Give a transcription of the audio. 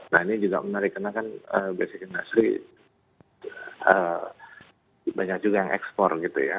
nah ini juga menarik karena kan basic industry banyak juga yang ekspor gitu ya